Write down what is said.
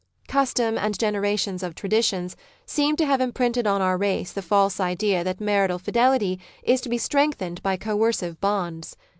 Custom, and generations of traditions, seem to have imprinted on our race the false idea that marital fidelity is to be strengthened by coercive bonds.